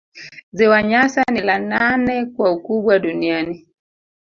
Ziwa Nyasa ni la nane kwa ukubwa duniani